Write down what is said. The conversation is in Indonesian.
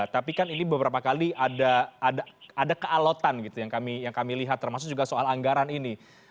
tapi kan ini beberapa kali ada kealotan gitu yang kami lihat termasuk juga soal anggaran ini